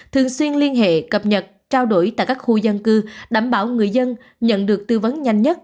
thường xuyên liên hệ cập nhật trao đổi tại các khu dân cư đảm bảo người dân nhận được tư vấn nhanh nhất